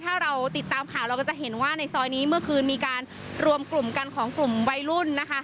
ถ้าเราติดตามข่าวเราก็จะเห็นว่าในซอยนี้เมื่อคืนมีการรวมกลุ่มกันของกลุ่มวัยรุ่นนะคะ